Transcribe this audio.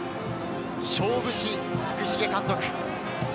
勝負師・福重監督。